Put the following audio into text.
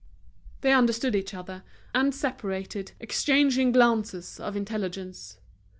They understood each other, and separated, exchanging glances of intelligence.